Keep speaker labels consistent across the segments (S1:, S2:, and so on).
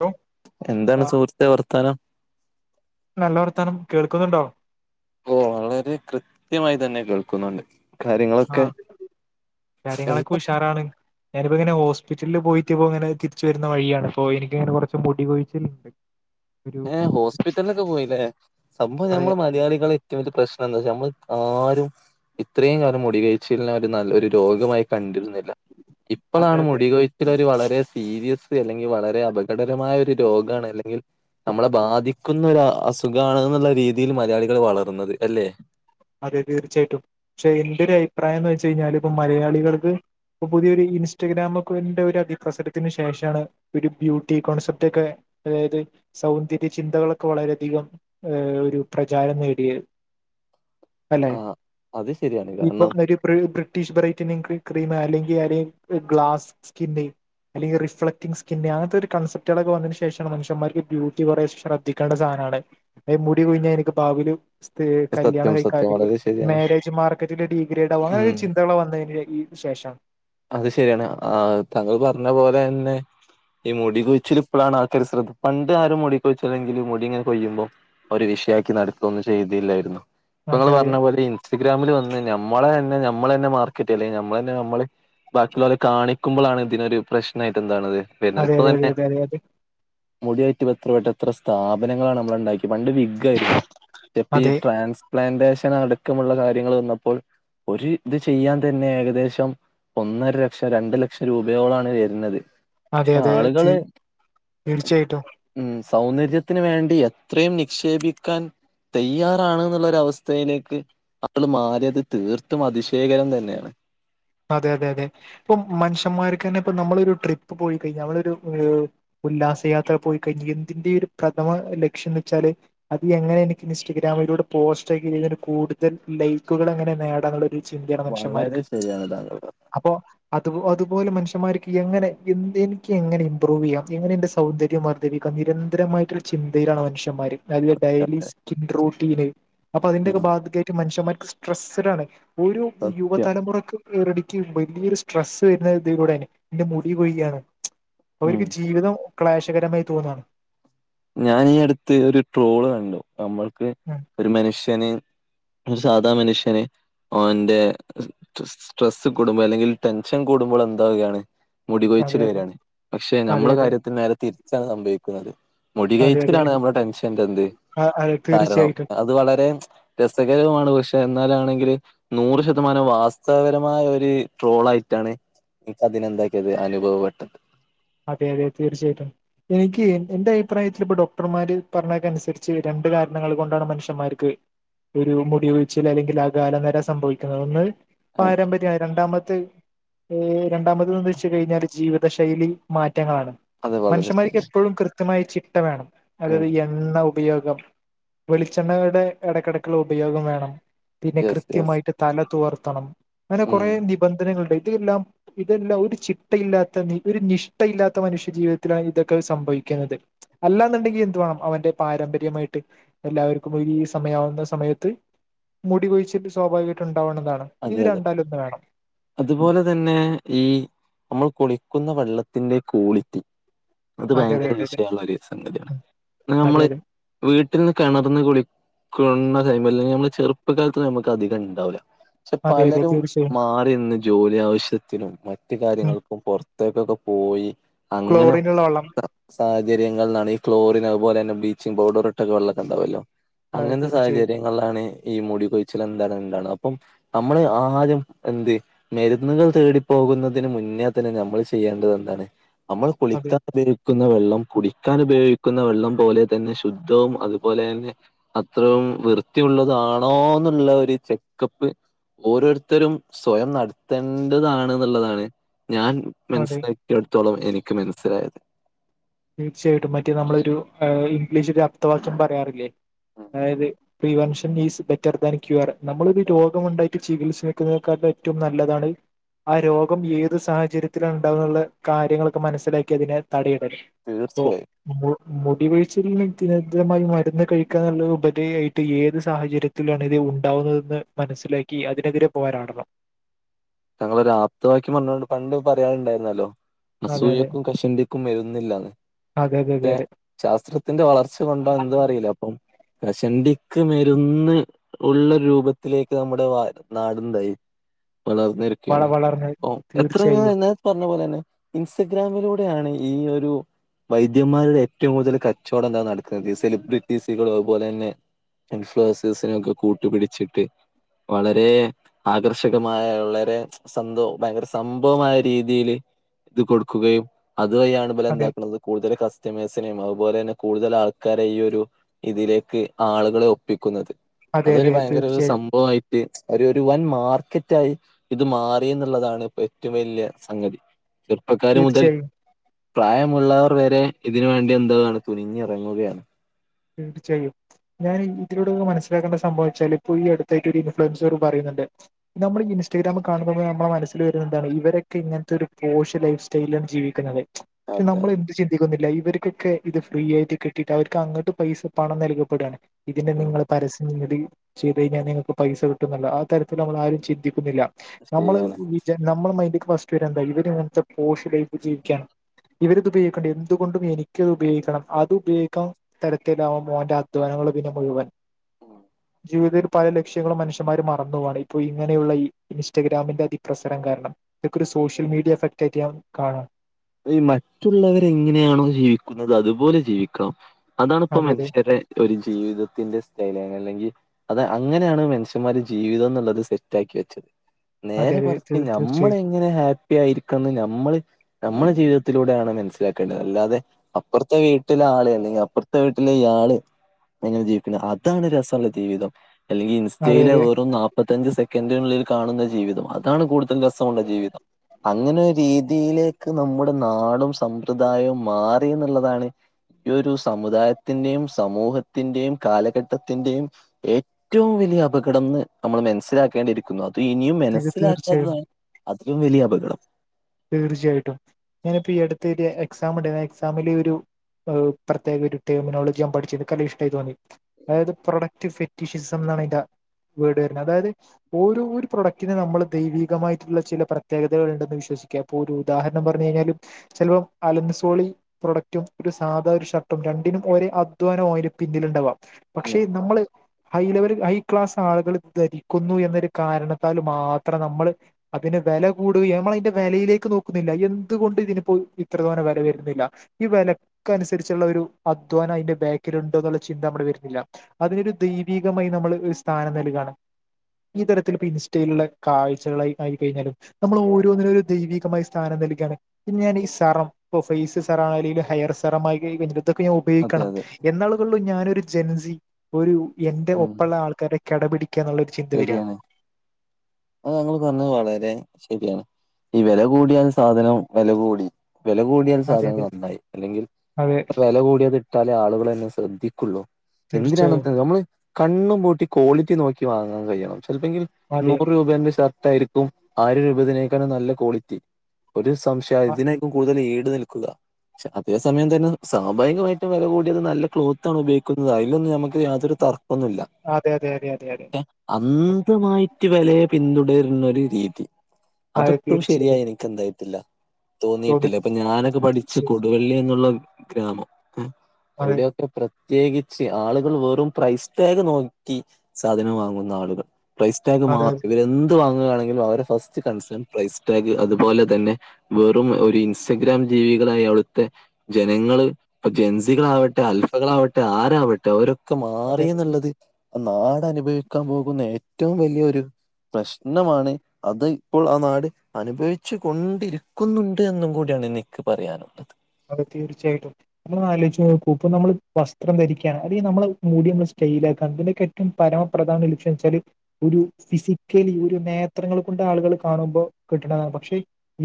S1: Hello ആ,
S2: എന്താണ് സുഹൃത്തെ വർത്താനം
S1: നല്ല വർത്താനം കേൾക്കുന്നുണ്ടോ
S2: ഓഹ് വളരെ കൃത്യമായി തന്നെ കേൾക്കുന്നുണ്ട് കാര്യങ്ങളൊക്കെ
S1: ആഹ് കാര്യങ്ങളൊക്കെ
S2: എന്താ
S1: ഉഷാറാണ് ഞാനിപ്പോ ഇങ്ങനെ ഹോസിപിറ്റല് പോയിട്ട് ഇപ്പോ ഇങ്ങനെ തിരിച്ച് വരുന്ന വഴിയാണ് അപ്പൊ എനിക്ക് ഇങ്ങനെ കൊറച്ച് മുടി കൊഴിച്ചില് ഇണ്ട്.
S2: ഏഹ് ഹോസ്പിറ്റലിലൊക്കെ പോയിലെ സംഭവം
S1: അതെ
S2: ഞമ്മളെ മലയാളികള് ഏറ്റവും വലിയ പ്രശ്നം എന്താ വെച്ചാ നമ്മൾ ആരും ഇത്രയും കാലം മുടികൊഴിച്ചലിന് നല്ല ഒരു രോഗമായി കണ്ടിരുന്നില്ല
S1: അതെ
S2: ഇപ്പളാണ്
S1: അതെ
S2: മുടികൊഴി ഒരു വളരെ സീരിയസ് ലി അല്ലെങ്കി വളരെ അപകടകരമായ ഒരു രോഗാണ് അല്ലെങ്കിൽ. നമ്മളെ ബാധിക്കുന്ന ഒരു അസുഖാണ് ന്നുള്ള രീതിയിൽ മലയാളികൾ വളർന്നത് അല്ലേ
S1: അതെ തീർച്ചയായിട്ടും പക്ഷെ എന്റെ ഒരു അഭിപ്രായം എന്ന് വെച്ച് കഴിഞ്ഞാൽ ഇപ്പ മലയാളിക ൾക്ക് ഇപ്പൊ പുതിയൊരു ഇൻസ്റ്റഗ്രാമക്ക് ഇന്റെ ഒരു അതിപ്രസരത്തിന് ശേഷാണ്. ഒര് ബ്യൂട്ടി കോൺസെപ്റ്റ് ഒക്കെ അതായത് സൗന്ദര്യ ചിന്തകളൊക്കെ വളരെയധികം ഏഹ് ഒരു പ്രചാരം നേടിയത് അല്ലെ
S2: ആ അത് ശരിയാണ് കാരണം
S1: ഇപ്പം ഒരു ബ്രിട്ടീഷ് ബ്രൈറ്റിങ് ക്രീം അല്ലെങ്കിൽ ഒര് ഗ്ലാസ് സ്കിൻ- അല്ലെങ്കി റിഫ്ലക്റ്റിംങ് സ്കിന്ന് അങ്ങൻ ത്തൊരു കൺസെപ്റ്റെളൊക്കെ വന്നതിനു ശേഷാണ് മനുഷന്മാർക്ക് ബ്യൂട്ടിയിൽ കൊറേശെ ശ്രദ്ധ ദ്ധിക്കേണ്ട സാധനാണ്. മുടി കൊഴിഞ്ഞാൽ എനിക്ക് ഭാവീല് [unintelligible]
S2: സത്യം
S1: കല്യാണം
S2: സത്യം
S1: കൈകാതെ [unintelligible]
S2: വളരെ ശരിയാണ്
S1: മാരേജ് മാർക്കറ്റില് ഡീഗ്രേഡ് ആകും. അങ്ങനൊരു
S2: ഉം
S1: ചിന്തകള് വന്നതിന് ശേഷാണ്
S2: അത് ശെരിയാണ്. ആ താങ്കൾ പറഞ്ഞ പോലെ എന്നെ ഈ മുടി കൊഴിച്ചില് ഇപ്പളാണ് ആൾക്കാര് ശ്രദ്ധ പണ്ട് ആരും മുടി കൊഴിച്ചില്ലെങ്കില് മുടി ഇങ്ങനെ കൊഴിയുമ്പോ- ഒരു വിഷയാക്കി നടക്കൊന്നും ചെയ്തില്ലായിര്ന്നു. ഇപ്പ നമൾ
S1: അതെ
S2: പറഞ്ഞ
S1: അതെ
S2: പോലെ ഇൻസ്റ്റഗ്രാമില് വന്ന് ഞമ്മളെ തന്നെ ഞമ്മള് തന്നെ മാർക്കറ്റ് അല്ലെങ്കി ഞമ്മളെ തന്നെ ഞമ്മള് ബാക്കി ള്ളോലെ കാണിക്കുമ്പളാണ് ഇതിനൊരു പ്രശ്നായിട്ട് എന്താണത് വരുന്നത് ഇപ്പൊ
S1: അതെ
S2: തന്നെ
S1: അതെ അതെ അതെ
S2: മുടിയായിട്ട് എത്ര പട്ട എത്ര സ്ഥാപനങ്ങളാണ് നമ്മൾ ഉണ്ടാക്കി പണ്ട് വിഗ് ആയിരുന്നു ചപ്പ ഈ
S1: അതെ അതെ
S2: ട്രാൻസ് പ്ലാന്റേഷൻ അടുക്കമുള്ള കാര്യങ്ങൾ വന്നപ്പോൾ ഒരു ഇത് ചെയ്യാൻ തന്നെ ഏകദേശം ഒന്നര ലക്ഷം രണ്ടു ലക്ഷം രൂപയോളാണ് വര്നത്
S1: അതെ അതെ തീർച്ചയായിട്ടും
S2: ഉം സൗന്ദര്യത്തിന് വേണ്ടി എത്രയും നിക്ഷേപിക്കാൻ തയ്യാറാണ് എന്നുള്ളൊരു അവസ്ഥയിലേക്ക് അപ്പൾ മാറിയത് തീർത്തും അതിശയകരം തന്നെയാണ്
S1: അതെ അതെ അതെ ഇപ്പൊ മനുഷ്യന്മാർക്ക് തന്നെ ഇപ്പ നമ്മളൊരു ഒരു ട്രിപ്പ് പോയി കഴിഞ്ഞാൽ അവളരു ഉല്ലാസയാത്ര പോയി കഴിഞ്ഞ എന്തിന്റെ ഒരു പ്രഥമ ലക്ഷ്യം എന്ന് വെച്ചാല് അത് എങ്ങനെ എനിക്ക് ഇൻസ്റ്റാഗ്രാമിലൂടെ പോസ്റ്റ് ആക്കി ചെയ്ത് കൂടുതൽ ലൈക്കുകൾ എങ്ങനെ നേടാനുള്ള ഒരു ചിന്തയാണ്
S2: വളരെ
S1: മനുഷ്യന്മാർക്ക്‌
S2: ശരിയാണ് താങ്കൾ പറഞ്ഞ
S1: അപ്പോ അത് അതുപോലെ മനുഷ്യമാർക്ക് എങ്ങനെ എനിക്ക് എങ്ങനെ ഇമ്പ്രൂവ് ചെയ്യാം എങ്ങനെ എന്റെ സൗന്ദര്യം വർധി ലഭിക്ക നിരന്തരമായിട്ടൊരു ചിന്തയിലാണ് മനുഷ്യന്മാര് അ ഡെയിലി
S2: പറഞ്ഞത്
S1: സ്കിൻ റൂട്ടീന് അപ്പൊ അതിന്റെക്കെ
S2: ഉം
S1: ബാധ്യായിട്ട് മനുഷ്യന്മാർക്ക് സ്ട്രെസ്ഡാണ് ഒരു
S2: സത്യം
S1: യുവതലമുറ- [unintelligible] വലിയൊരു സ്ട്രെസ്സ് വരുന്നത് ഇതികൂടേണ് എന്റെ മുടി കൊഴിയാണ്
S2: ഉം
S1: അവർക്ക് ജീവിതം ക്ലേശകരമായി തോന്നാണ്
S2: ഞാൻ ഈ അടുത്ത് ഒരു ട്രോള് കണ്ടു നമ്മൾക്ക്
S1: ആഹ്
S2: ഒരു മനുഷ്യന് ഒരു സാധാ മനുഷ്യന് ഓന്റെ സ്ട്രെസ്സ് കൂടുമ്പോൾ അല്ലെങ്കിൽ ടെൻഷൻ കൂടുമ്പോൾ എന്താവുകയാണ് മുടി
S1: അതെ
S2: കൊഴിച്ചിൽ
S1: അതെ
S2: വരാണ് പക്ഷെ
S1: അതെ
S2: നമ്മളെ
S1: അതെ
S2: കാര്യത്തിൽ നേരെ തിരിച്ചാണ് സംഭവിക്കുന്നത് മുടി
S1: അതെ അതെ
S2: കഴിച്ചിലാണ് നമ്മുടെ ടെൻഷന്റെ എന്ത്
S1: അതെ
S2: കാരണം
S1: തീർച്ചയായിട്ടും
S2: അത് വളരെ രസകരവുമാണ് പക്ഷെ എന്നാലാണെങ്കിൽ നൂറ് ശതമാനം വാസ്തവപരമായ ഒരു ട്രോള് ആയിട്ടാണ് നിക്ക് അതിനെന്താക്കിയത് അനുഭവപ്പെട്ടത്
S1: അതെ അതെ തീർച്ചയായിട്ടും എനിക്ക് എന്റെ അഭിപ്രായത്തിൽ ഇപ്പൊ ഡോക്ടർമാര് പറഞ്ഞക്ക അനുസരിച്ച് രണ്ട് കാരണങ്ങൾ കൊണ്ടാണ് മനുഷ്യന്മാർക്ക് ഒരു മുടി ഒഴിച്ചിൽ അല്ലെങ്കിൽ അകാല നിര സംഭവിക്കുന്നത് ഒന്ന്
S2: ഏ,
S1: പാരമ്പര്യം രണ്ടാമത്തെ ഏഹ് രണ്ടാമത്ന്ന് വെച്ച് കഴിഞ്ഞാല് ജീവിത ശൈലി മാറ്റങ്ങളാണ്
S2: അത് വളരെ
S1: മനുഷ്യന്മാർക്ക്
S2: ശരിയാ
S1: എപ്പളും കൃത്യമായി ചിട്ട വേണം
S2: ഉം
S1: അതായത് എണ്ണ ഉപയോഗം വെളിച്ചെണ്ണകളുടെ ഇടക്കിടക്കുള്ള ഉപയോഗം വേണം പിന്നെ
S2: യെസ് യെസ്
S1: കൃത്യമായിട്ട് തല തുവർത്തണം അങ്ങനെ
S2: ഉം
S1: കുറേ നിബന്ധനകളുണ്ട് ഇതെല്ലാം ഇതെല്ലാം ഒരു ചിട്ടയില്ലാത്ത ഒരു നിഷ്ഠയില്ലാത്ത മനുഷ്യ ജീവിതത്തിലാണ് ഇതൊക്കെ സംഭവിക്കുന്നത് അല്ലാന്നുണ്ടെങ്കി എന്തു വേണം അവന്റെ പാരമ്പര്യമായിട്ട് എല്ലാവർക്കും ഒരു സമയാവുന്ന സമയത്ത് മുടി കൊഴിച്ചിട്ട് സ്വാഭാവികമായിട്ട് ഉണ്ടാവുന്നതാണ് ഇത്
S2: അതെ അതെ
S1: രണ്ടാലും ഒന്ന് വേണം
S2: അതുപോലെ തന്നെ ഈ നമ്മൾ കുളിക്കുന്ന വെള്ളത്തിന്റെ കോളിറ്റി അത്
S1: അതെ അതെ
S2: ഭയങ്കര
S1: അതെ അതെ
S2: വിഷയള്ള ഒരു സംഗതിയാണ്
S1: ഉം. അതെ
S2: നമ്മള്
S1: അതെ
S2: വീട്ട്ന്ന് കിണർന്ന് കുളിക്കുന്ന ടൈമില് അല്ലെങ്കിൽ നമ്മള് ചെറുപ്പകാലത്ത് നമുക്ക് അധികം ഉണ്ടാവില്ല പക്ഷെ
S1: അതെ അതെ
S2: പലരും
S1: തീർച്ചയായും
S2: മാ ഇന്ന് ജോലി ആവശ്യത്തിനും മറ്റു
S1: ഉം
S2: കാര്യങ്ങൾക്കും പുറത്തേക്കൊക്കെ പോയി അങ്ങനെ
S1: ക്ലോറിനുള്ള വെള്ളം
S2: സാഹചര്യങ്ങൾന്നാണ് ഈ ക്ലോറിൻ അതുപലെ തന്നെ ബ്ലീച്ചിങ് പൗഡർ ഇട്ട വെള്ളൊക്കെ ഉണ്ടാവുല്ലോ
S1: അതെ
S2: അങ്ങൻത്തെ
S1: തീർച്ചയായും
S2: സാഹചര്യങ്ങളിലാണ് ഈ മുടി കൊഴിച്ചിൽ എന്താണ് എന്താണ് അപ്പം നമ്മള് ആദ്യം എന്ത് മരുന്നുകൾ തേടിപ്പോകുന്നതിന് മുന്നേ തന്നെ നമ്മൾ ചെയ്യേണ്ടത് എന്താണ് നമ്മൾ
S1: അതെ
S2: കുളിക്കാൻ കുടിക്കാൻ ഉപയോഗിക്കുന്ന വെള്ളം പോലെ തന്നെ ശുദ്ധവും അതുപോലെന്നെ അത്രയും വൃത്തിയുള്ളതാണോന്നുള്ള ഒരു ചെക്കപ്പ് ഓരോരുത്തരും സ്വയം നടത്തേണ്ടതാണ് എന്നുള്ളതാണ് ഞാൻ
S1: അതെ
S2: മനസ്സിലാക്കി എടത്തോളം എനിക്ക് മനസ്സിലായത്
S1: തീർച്ചയായിട്ടും മറ്റേ നമ്മളൊരു ഇംഗ്ലീഷ് ഒരു അബ്തവാക്യം പറയാറില്ലേ അതായത് prevention is better than cure
S2: ഉം
S1: നമ്മളൊരു രോഗം ഉണ്ടാക്ക ചികിത്സക്കുന്നേക്കാളും ഏറ്റവും നല്ലതാണ് ആ രോഗം ഏത് സാഹചര്യത്തില ഉണ്ടാവന്നുള്ള കാര്യങ്ങളൊക്കെ മനസ്സിലാക്കി അതിനെ തടയിടും
S2: തീർച്ചയായും
S1: മുടികൊഴിച്ചിലിന് വ്യക്തിരതമായി മരുന്ന് കഴിക്കാനുള്ള ഉപാതായായിട്ട് ഏത് സാഹചര്യത്തിനും ഇത് ഉണ്ടാവുന്നതെന്ന് മനസ്സിലാക്കി അതിനെതിരെ പോരാടണം
S2: ഞങ്ങളൊ ഒരു ആപ്തവാക്കി പറഞ്ഞോണ്ട് പണ്ട് പറയാനുണ്ടായിരുന്നല്ലോ
S1: അതെ അതെ
S2: അസൂയക്കും കശണ്ടിക്കും മരുന്നില്ലന്ന്
S1: അതെ
S2: ശാസ്ത്രത്തിന്റെ വളർച്ച കൊണ്ടോ
S1: അതെ
S2: എന്ത് അറിയില്ല അപ്പം കശണ്ടിക്ക് മരുന്ന് ഉള്ള രൂപത്തിലേക്ക് നമ്മുടെ നാടതായി
S1: വള
S2: വളർന്നി
S1: വളർന്ന്
S2: എത്രയും
S1: തീർച്ചയായും
S2: എന്നത്തെ പറഞ്ഞ പോലെ തന്നെ ഇൻസ്റ്റഗ്രാമിലൂടെയാണ് ഈ ഒരു വൈദ്യന്മാരുടെ ഏറ്റവും കൂടുതൽ കച്ചവടം എന്താണ് നടക്കുന്നത് ഈ സെലിബ്രിറ്റീസുകളും അതുപോലെ തന്നെ ഇൻഫ്ലസസിനൊക്കെ കൂട്ടിപിടിച്ചിട്ട് വളരെ ആകർഷകമായ വളരെ ഭയങ്കെരെസംഭവമായ രീതിയില് ഇത് കൊടുക്കുകയുംഅത് വഴിയാണ്
S1: അതെ
S2: ഇബല്എന്താക്ക്‌ണത് കൂടുതൽ കസ്റ്റമേഴ്സിനെയും അതുപോലെന്നെ കൂടുതൽ ആൾക്കാരെ ഈഒരു ഇതിലേക്ക് ആളുകളെ ഒപ്പിക്കുന്നത്
S1: അതെ അതെ
S2: അതൊരുഭയങ്കര
S1: തീർച്ചയായും
S2: ഒരുസംഭവമായി ഒരു വൻമാർക്കറ്റായി ഇത് മാറിഎന്നുള്ളതാണ്ഇപ്പ ഏറ്റവും വെല്ല്യസംഗതി. ചെറുപ്പക്കാർ
S1: തീർച്ചയായും
S2: മുതൽപ്രായമുള്ള വെരെ ഇതിന് വേണ്ടിഎന്താണ് തുനിഞ്ഞിറങ്ങുകയാണ്.
S1: വേണ്ടിചെയ്യും. ഞാന് ഇതിലൂടെമനസ്സിലാക്കേണ്ട സംഭവംവെച്ചാല് ഇപ്പൊ ഈ അടുത്തായിട്ട് ഒരു ഇൻഫ്ലുവൻസെർ പറയുന്നുണ്ട് ന്നമ്മൾ ഇൻസ്റ്റഗ്രാമിൽ കാണുമ്പോൾ ന്നമ്മുടെ മനസ്സില് വെരാന്ത്‌അറിയോ ഇരൊക്കെ ഇങ്ങന്ത്തെ ഒരുപോശ്യലൈഫ് തെയ്ലാണ് ജീവിക്കുന്നത്. പക്ഷെ
S2: അതെ അതെ
S1: ന്നമ്മൾഎന്ത്ചിന്തിക്കുന്നില്ല ഇവർക്കൊക്കെ ഇത്ഫ്രീആയിട്ട് കിട്ടിയിട്ട് അവർക്ക് അങ്ങട്ടും ഇപ്പപൈസപണം നൽകപ്പെടാണ് ഇതിനെ
S2: ഉം
S1: നിങ്ങള്പരസ്യംന്നേടി ചെയ്ത്കഴിഞ്ഞാൽ നിങ്ങൾക്ക് പൈസ കിട്ടുന്നുള്ള ആതരത്തിൽന്നമ്മളാരും ചിന്തിക്കുന്നില്ല ന്നമ്മള്
S2: ശരിയാണ്.
S1: ന്നമ്മുടെ മൈൻഡിലേക്ക് ഫസ്റ്റ് വേരാന്താ ഇവര്ഇങ്ങൻത്തെ പോഷ് ലൈഫ് ജീവിക്കാൻ ഇവരിതുപയോഗിക്കണ്ട് എന്തുകൊണ്ടും എനിക്കത് ഉപയോഗിക്കണംഅത് ഉപയോഗിക്കാം തരത്തിലാവും മോന്റെഅധ്വാനങ്ങൾ പിന്നെമുഴുവൻ
S2: [unintelligible]
S1: ജീവിതത്തിൽ പലലക്ഷ്യങ്ങളും മനുഷ്യമാർമറന്ന്പോവാണ് ഇപ്പോൾ ഇങ്ങനെയുള്ള ഈ ഇൻസ്റ്റഗ്രാമിന്റെ അതിപ്രസരം കാരണം ഇതൊക്കൊരു സോഷ്യൽ മീഡിയ എഫക്റ്റ് ആയിട്ട് ഞാൻകാണാ.
S2: ഈമറ്റുള്ളവര് എങ്ങനെയാണോ ജീവിക്കുന്നത് അതുപോലെജീവിക്കണം അതാണിപ്പോ
S1: അതെ അതെ
S2: മനുഷ്യരെ ഒര് ജീവിതത്തിന്റെ സ്റ്റൈൽഅല്ലെങ്കി അത് അങ്ങനെയാണ് മെൻഷ്യന്മാര് ജീവിതംഎന്നുള്ളത് സെറ്റാക്കി വെച്ചത്
S1: അതെ അതെ
S2: ന്നേരെമറിച്ച്
S1: തീർച്ചയായും
S2: ന്നമ്മളെങ്ങനെ ഹാപ്പി ആയിരിക്കന്ന് ന്നമ്മള് ന്നമ്മുടെ ജീവിതത്തിലൂടെയാണ് മനസ്സിലാക്കേണ്ടത് അല്ലാതെ അപ്പർത്തെ വീട്ടിലെആള് അല്ലെങ്കിൽ അങ്ങനെജീവിക്കുന്നത് അതാണ് രെസള്ളജീവിതം അല്ലെങ്കി
S1: അതെ
S2: ഇൻസ്റ്റയില
S1: അതെ
S2: വെറുംന്നാപ് മുപ്പത്തഞ്ച് സെക്കന്റന് ഉള്ളിൽ കാണുന്നജീവിതം അതാണ്കൂടുതൽ രസമുള്ളജീവിതം. അങ്ങനെരീതിയില് ക്ക്‌ ന്നമ്മുടെനാടും സമ്പ്രദായോംമാറിന്ന്ള്ളതാണ് ഈ ഒരുസമുദായത്തിന്റെയും സമൂഹത്തിന്റെയും കാലഘട്ടത്തിന്റെയും ഏറ്റവുംവെലിയ അപകടംന്ന് ന്നമ്മൾ മെൻസ്സിലാക്കേണ്ടിരി കുന്നത് അത്ഇനിയും
S1: തീർച്ചയായും
S2: മെൻസ്സിലാക്കാത്തതാണ് അതിലും വെലിയഅപകടം.
S1: തീർച്ചയായിട്ടും ഞാനിപ്പോ ഈ അട്ത്ത് എഴുതിയഎക്സാംണ്ട് ആഎക്സാമില് ഒരു ഹ് പ്രത്യേകഒരു ടെർമിനോളിജിഞാൻ പഠിച്ചിഇൻകല്ലഇഷ്ടമായി തോന്നി അതായത് പ്രൊഡക്റ്റ്ഫ് റ്റിശിസം എന്നാണ്അയ്‌ന്റെ വേഡ് വരുന്നത് അതായത് ഓരോരു പ്രോഡക്റ്റിന് ന്നമ്മൾ ദൈവികമായിട്ടുള്ള ചില പ്രത്യേകതകൾ ഉണ്ടെന്ന് വിശ്വസിക്കുന്നു. ഇപ്പൊരു ഉദാഹരണം പറഞ്ഞു കഴിഞ്ഞാലും ചിലപ്പോഅലുൻസോളി പ്രൊഡക്റ്റും ഒരുസാധാ ഒരു ഷർട്ടും രണ്ടിനും ഒരേഅധ്വാനംയിന് പിന്നിലുണ്ടാവാ പക്ഷേ ന്നമ്മള് ഹൈലെവൽ ഹൈ ക്ലാസ് ആളുകൾ ധരിക്കുന്നു എന്നൊരുകാരണത്താൽ മാത്രംന്നമ്മള് അതിന് വെലകൂടുകന്നമ്മളയ്ന്റെ വെലയിലേക്ക് നോക്കുന്നില്ല എന്തുകൊണ്ട് ഇതിനിപ്പോ ഇത്രതോനെ വെല വെരുന്നില്ല ഈവെല ക്ക്‌അനുസരിച്ചുള്ള ഒരുഅധ്വാനം അതിന്റെബാക്കിലുണ്ടോ എന്നുള്ളചിന്ത ന്നമ്മളിൽ വെരുന്നില്ല. അതിനൊരു ദൈവീകമായി ന്നമ്മള് ഹ് സ്ഥാനംനൽകാണ്. ഈതരത്തിൽ ഇപ്പോഇൻസ്റ്റയിലുള്ള കാഴ്ചകളായി ആയിക്കയ്ഞ്ഞാലും ന്നമ്മൾ ഓരോന്നിനുംരു ദൈവീകമായിസ്ഥാനം നൽകാണ് പ്പോഞാനി ഈ സെറം ഇപ്പോ ഫെയ്സ് സെറാഅല്ലെ ഹെയർസെമായി വെന്റ ഇതൊക്കെ ഞാൻ
S2: അതെ
S1: ഉപയോഗിക്കണം
S2: അതെ
S1: എന്നള് ഞാനൊരു ജെൻസിഒരു എന്റെ
S2: ഉം
S1: ഒപ്പള്ള ആൾക്കാരെ കെ ടപിടിക്കാനുള്ള
S2: ശരിയാണ് അത് ഞങ്ങള് പറഞ്ഞത് വളരെ ശരിയാണ് ഈ വില കൂടിയാണ് സാധനം വില കൂടി വില കൂടിയാൽ
S1: അതെ അതെ
S2: സാധനങ്ങൾ നന്നായി അല്ലെങ്കിൽ
S1: അതെ
S2: വില കൂടിയാത് റ്റാല ആളുകളെ ശ്രദ്ധിക്കുള്ളൂ എന്തിനാണ്
S1: തീർച്ചയായും
S2: നമ്മള് കണ്ണും പൂട്ടി ക്വാളിറ്റി നോക്കി വാങ്ങ- ങ്ങാൻ കഴിയണം ചിലപ്പോങ്കിൽ
S1: അതെ
S2: നൂറ് രൂപേന്റെ ഷർട്ട് ആയിരിക്കും ആറ് രൂപതിനേക്കാാണ് നല്ല ക്വാളിറ്റി ഒരു സംശയം ഇതിനേക്കും കൂടുതൽ ഈട് നിൽക്കുക പക്ഷെ അതേ സമയം തന്നെ സ്വാഭാവികമായിട്ടും വില കൂടിയത് നല്ല ക്ലോത്താണ്ണ് ഉപയോഗിക്കുന്നത് അതിലൊന്ന് നമുക്ക് യാതൊരു തർക്ക- ഒന്നുമില്ല
S1: അതെ അതെ അതെ അതെ
S2: അന്ധമായിട്ട് വിലയെ പിന്തുടരുന്നൊരു രീതി
S1: അതെ
S2: അതൊട്ടും
S1: തീർച്ചയായും
S2: ശരിയായി എനിക്ക് എന്തായിട്ടില്ല
S1: തോന്നി
S2: തോന്നിയിട്ടില്ല അപ്പൊ ഞാനൊക്കെ പഠിച്ച് കൊണ്ട്
S1: തീർച്ചയായും
S2: കൊടുവള്ളി എന്നുള്ള ഗ്രാമം ഏ
S1: അതെ
S2: അവിടെ പ്ര പ്രത്യേകിച്ച് ആളുകൾ വെറും പ്രൈസ് ടാഗ് നോക്കി സാധനം വാങ്ങുന്ന ആളുകൾ പ്രൈസ് ടാഗ്
S1: അതെ
S2: മാത്രം ഇവരെ എന്ത് വാങ്ങുകയാണെങ്കിലും അവരെ ഫസ്റ്റ് കൺസേൺ പ്രൈസ് ടാഗ് അതുപോലെ തന്നെ വെറും ഒരു ഇൻസ്റ്റഗ്രാം ജീവികളായി അവിടുത്തെ ജനങ്ങള് ഇപ്പ ജെൻസികളാവട്ടെ അൽഫകളാവട്ടെ ആരാവട്ടെ അവര് ത്
S1: അതെ
S2: മാറി
S1: അതെ
S2: എന്നുള്ളത് നാട് അനുഭവിക്കാൻ പോകുന്ന ഏറ്റവും വലിയൊരു പ്രശ്നമാണ് അത് ഇപ്പോൾ ആ നാട് അനുഭവിച്ച് കൊണ്ടിരിക്കുന്നുണ്ട് എന്നും കൂടിയാണ്നിക്ക് പറയാനുള്ള അത്
S1: അത് തീർച്ചയായിട്ടും നമ്മളൊന്ന് ആലോചിച്ച് നോക്ക് ഇപ്പോ നമ്മള് വസ്ത്രം ധരിക്കാണ് അല്ലെങ്കി നമ്മള് മൂടിയോന്ന് സ്റ്റൈൽ ആക്കാണ് പിന്നെ പരമപ്രധാനം ലക്ഷ്യം വെച്ചാല് ഒരു ഫിസിക്കലി ഒരു നേത്രങ്ങൾ കൊണ്ട് ആളുകൾ കാണുമ്പോൾ കിട്ടണതാണ് പക്ഷെ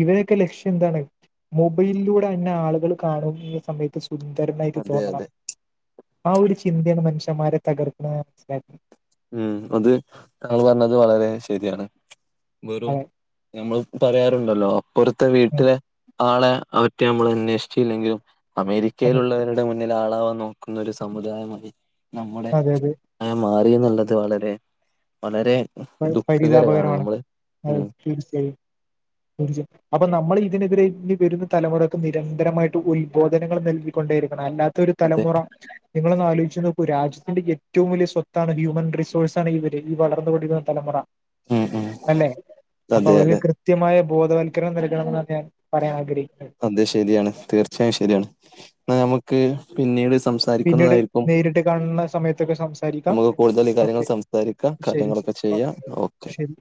S1: ഇവരോക്കെ ലക്ഷ്യം എന്താണ് മൊബൈലിലൂടെ പിന്നെ ആളുകൾ കാണും ഈ സമയത്ത് സുന്ദരനായിട്ട്
S2: അതെ അതെ
S1: തോന്നണം ആ ഒരു ചിന്തയാണ് മനുഷന്മാരെ തകർക്കുന്നത് മനസിലാക്കി
S2: ഉം അത് താങ്കൾ പറഞ്ഞത് വളരെ ശരിയാണ് വെറും
S1: അതെ
S2: ഞമ്മള് പറയാറുണ്ടല്ലോ അപ്പുറത്തെ
S1: ഉം,
S2: വീട്ടിലെ ആളെ അവറ്റെ നമ്മള് അന്വേഷിച്ചില്ലെങ്കിലും
S1: അതെ
S2: അമേരിക്കയിലുള്ളവരുടെ മുന്നിൽ ആളാവാൻ നോക്കുന്ന ഒരു സമുദായമായി നമ്മുടെ
S1: അതെ അതെ
S2: ആയി മാറി എന്നുള്ളത് വളരെ വളരെ
S1: പരി
S2: ദുഃഖകരമാണ്
S1: പരിതാപകരമാണ്
S2: നമ്മള്
S1: അ
S2: ഉം
S1: [unintelligible] തീർച്ചയായും അപ്പൊ നമ്മൾ ഇതിനെതിരെ വരുന്ന തലമുറക്ക് നിരന്തരമായിട്ട് ഉത്ബോധനങ്ങൾ നൽകിക്കൊണ്ടേരിക്കണം അല്ലാതെ ഒരു
S2: അതെ
S1: തലമുറ നിങ്ങളൊന്ന് ആലോചിച്ച് നോക്കൂ രാജ്യത്തിന്റെ ഏറ്റവും വലിയ സ്വത്താണ് ഹ്യൂമൻ റിസോഴ്സാണ് ഇവര് ഈ വളർന്ന് പടരുന്നത് തലമുറ
S2: ഉം ഉം
S1: അല്ലെ അപ്പൊ
S2: അതെ
S1: അവര്
S2: അതെ
S1: കൃത്യമായ ബോധവൽക്കരണം നൽകണം എന്നാണ് ഞാൻ പറയാൻ ആഗ്രഹിക്കുന്നത്
S2: അതെ ശരിയാണ് തീർച്ചയായും ശരിയാണ് എന്നാ നമുക്ക് പിന്നീട് സം-
S1: പിന്നീട് നേരിട്ട് കാണാണേ സമയത്തൊക്കെ സം- സരിക്കാ
S2: നമുക്ക് കൂടുതൽ ഈ കാര്യങ്ങൾ
S1: ഓക്കെ
S2: സംസാരിക്കാം
S1: ശരി ശരി
S2: കാര്യങ്ങളൊക്കെ ചെയ്യാം ഓക്കെ
S1: ശരി